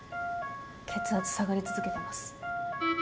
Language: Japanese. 血圧下がり続けてます。